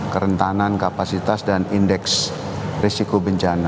kerentanan kapasitas dan indeks risiko bencana